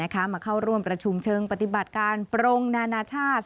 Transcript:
มาเข้าร่วมประชุมเชิงปฏิบัติการปรงนานาชาติ